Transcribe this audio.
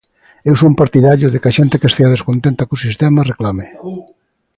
Eu son partidario de que a xente que estea descontenta co sistema reclame.